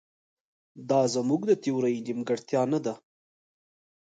دا زموږ د تیورۍ نیمګړتیا نه ده.